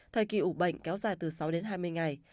thời kỳ ủ bệnh kéo dài từ sáu đến hai mươi ngày